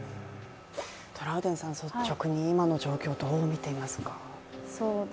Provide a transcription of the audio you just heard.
トラウデンさん、率直に今の状況どう見ていますか。